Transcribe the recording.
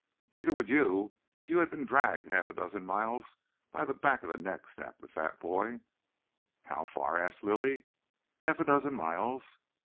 "Neither would you if you had been dragged half a dozen miles by the back of the neck," snapped the fat boy. "How far?" asked Lilly. "Half a dozen miles."